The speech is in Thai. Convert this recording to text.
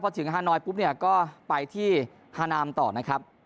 พอถึงฮานอยก็ไปที่ฮานามต่อนะครับ